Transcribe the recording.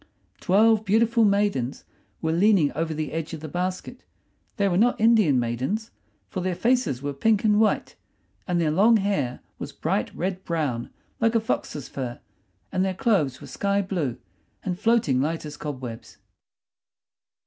Twelve beautiful maidens were leaning over the edge of the basket. They were not Indian maidens, for their faces were pink and white, and their long hair was bright red brown like a fox's fur, and their clothes were sky blue and floating light as cobwebs.